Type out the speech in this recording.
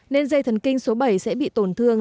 nên dây thần kinh số bảy sẽ bị tổn thương